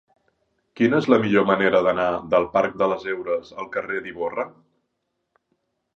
Quina és la millor manera d'anar del parc de les Heures al carrer d'Ivorra?